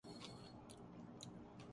پنے پیٹ پر پنسل مارنا